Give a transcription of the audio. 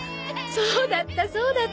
そうだったそうだった。